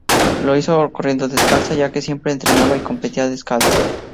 Lo hizo corriendo descalza, ya que siempre entrenaba y competía descalza.